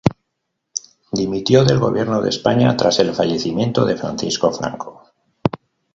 Dimitió del Gobierno de España tras el fallecimiento de Francisco Franco.